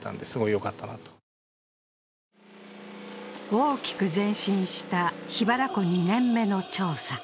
大きく前進した桧原湖２年目の調査。